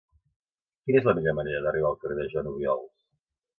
Quina és la millor manera d'arribar al carrer de Joan Obiols?